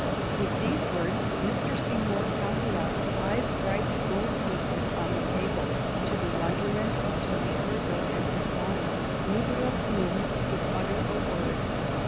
With these words Mr. Seymour counted out five bright gold pieces on the table, to the wonderment of Toni Hirzel and his son, neither of whom could utter a word.